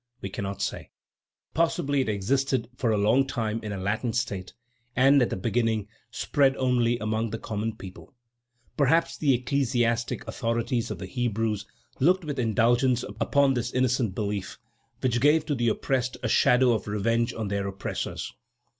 We cannot say. Possibly it existed for a long time in a latent state and, at the beginning, spread only among the common people; perhaps the ecclesiastic authorities of the Hebrews looked with indulgence upon this innocent belief, which gave to the oppressed a shadow of revenge on their oppressors.